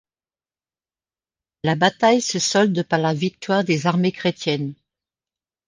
La bataille se solde par la victoire des armées chrétiennes.